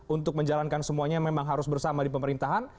untuk menjalankan semuanya memang harus bersama di pemerintahan